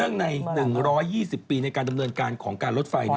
ใน๑๒๐ปีในการดำเนินการของการรถไฟ